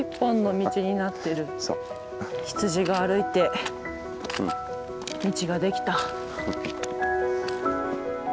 羊が歩いて道ができた。